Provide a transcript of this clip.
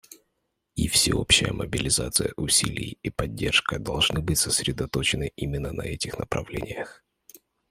И всеобщая мобилизация усилий и поддержка должны быть сосредоточены именно на этих направлениях.